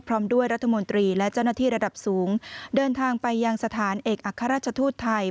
พร้อมด้วยรัฐมนตรีและเจ้าหน้าที่ระดับสูงเดินทางไปยังสถานเอกอัครราชทูตไทย